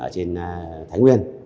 trên thái nguyên